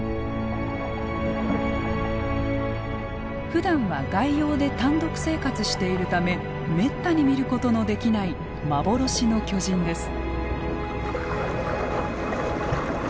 ふだんは外洋で単独生活しているためめったに見ることのできない幻の巨人です。